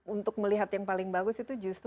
untuk melihat yang paling bagus itu justru